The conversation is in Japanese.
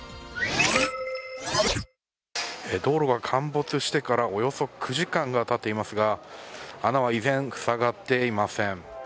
道路が陥没してからおよそ９時間がたっていますが穴は以前塞がっていません。